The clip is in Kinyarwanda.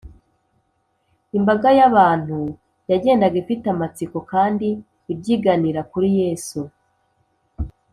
imbaga y’abantu yagendaga ifite amatsiko kandi ibyiganira kuri yesu,